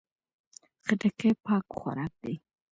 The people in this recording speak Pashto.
خټکی پاک خوراک دی.